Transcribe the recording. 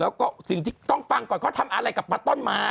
แล้วก็สิ่งที่ต้องฟังก่อนเขาทำอะไรกับพระต้นไม้